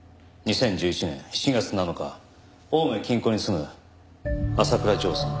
２０１１年７月７日青梅近郊に住む浅倉譲さん